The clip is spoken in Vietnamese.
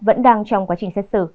vẫn đang trong quá trình xét xử